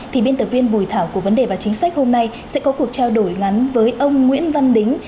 thì biên tập viên bùi thảo của vấn đề và chính sách hôm nay sẽ có cuộc trao đổi ngắn với ông nguyễn văn đính